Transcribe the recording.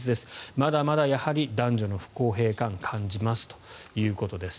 まだまだ男女の不公平感を感じますということです。